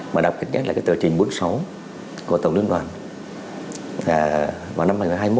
mà đặc biệt nhất là cái tờ trình bốn mươi sáu của tổng liên đoàn vào năm hai nghìn hai mươi một